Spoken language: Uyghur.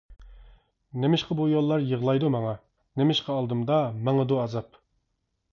نېمىشقا بۇ يوللار يىغلايدۇ ماڭا، نېمىشقا ئالدىمدا ماڭىدۇ ئازاب.